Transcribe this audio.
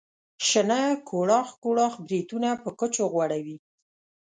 شنه کوړاخ کوړاخ بریتونه په کوچو غوړوي.